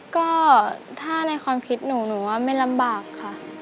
ก็ถ้าในความคิดหนูหนูว่าไม่ลำบากค่ะ